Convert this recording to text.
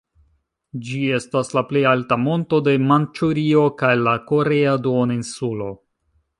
Ĝi estas la plej alta monto de Manĉurio kaj la Korea duoninsulo.